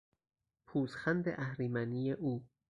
پوزخند اهریمنی او